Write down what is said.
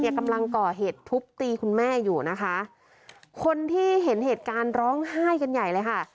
กำลังก่อเหตุทุบตีคุณแม่อยู่นะคะคนที่เห็นเหตุการณ์ร้องไห้กันใหญ่เลยค่ะ